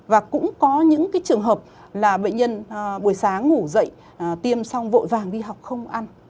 và cũng có những trường hợp là bệnh nhân buổi sáng ngủ dậy tiêm xong vội vàng đi học không ăn